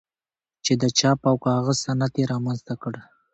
چې د چاپ او کاغذ صنعت یې رامنځته کړ.